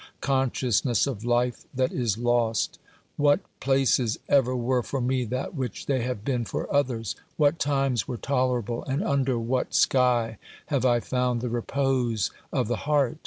Consciousness of life that is lost ! What places ever were for me that which they have been for others ? What times were tolerable, and under what sky have I found the repose of the heart